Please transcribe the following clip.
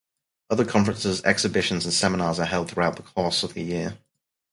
Other conferences, exhibitions and seminars are held throughout the course of the year.